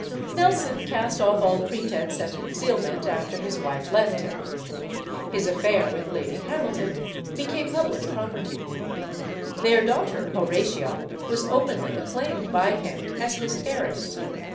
Nelson cast off all pretense at concealment after his wife left him. His affair with Lady Hamilton became public property. Their daughter, Horatia, was openly acclaimed by him as his heiress.